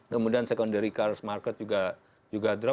kemudian secondary cars market juga drop